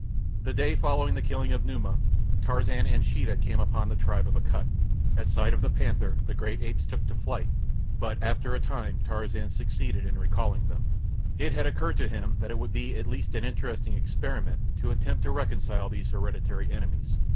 The day following the killing of Numa, Tarzan and Sheeta came upon the tribe of Akut. At sight of the panther the great apes took to flight, but after a time Tarzan succeeded in recalling them. It had occurred to him that it would be at least an interesting experiment to attempt to reconcile these hereditary enemies.